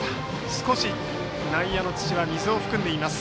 少し内野の土は水を含んでいます。